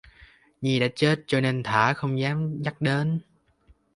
Nhi đã chết cho nên thả không dám nhắc đến